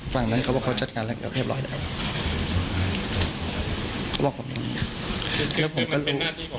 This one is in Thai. แล้วผมก็รู้